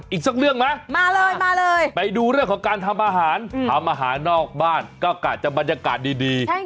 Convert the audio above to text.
อีกสักเรื่องนะไปดูเรื่องของการทำอาหารทำอาหารนอกบ้านก็จะบรรยากาศดี